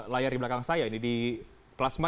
layar di belakang saya ini di plasma